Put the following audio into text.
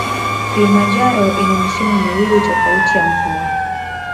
Kilimanjaro ina misimu miwili tofauti ya mvua